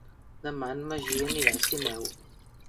Demà en Magí anirà a Sineu.